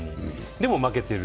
でも負けてる。